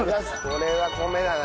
これは米だな。